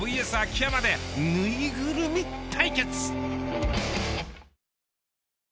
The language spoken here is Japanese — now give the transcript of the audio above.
秋山でぬいぐるみ対決。